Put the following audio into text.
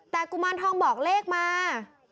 แต่กุมารทองบอกเลขมา